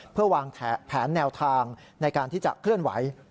เพื่อวางแผนแนวทางในการที่จะเคลื่อนไหว